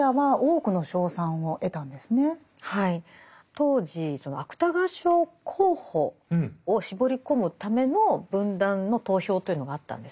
当時芥川賞候補を絞り込むための文壇の投票というのがあったんですね。